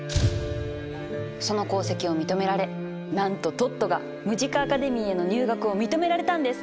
その功績を認められなんとトットがムジカ・アカデミーへの入学を認められたんです。